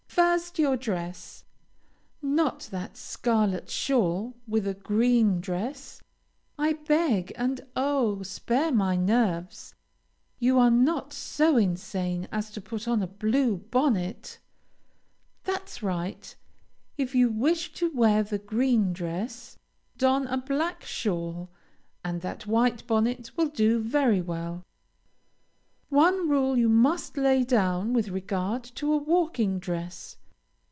First, your dress. Not that scarlet shawl, with a green dress, I beg, and oh! spare my nerves! you are not so insane as to put on a blue bonnet. That's right. If you wish to wear the green dress, don a black shawl, and that white bonnet will do very well. One rule you must lay down with regard to a walking dress.